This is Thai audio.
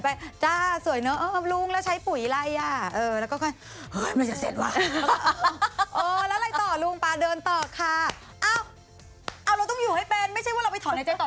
ไม่ไต่ว่าเราจะถอดในใจต่อหน้ากับเขาไง